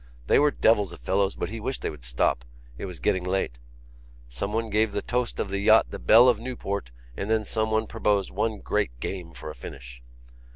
They were devils of fellows but he wished they would stop: it was getting late. Someone gave the toast of the yacht The Belle of Newport and then someone proposed one great game for a finish.